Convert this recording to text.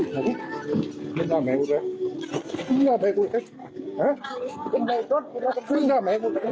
ไม่ได้ไหมกูเลยไม่ได้ไหมกูเลยฮะไม่ได้ไหมกูเลย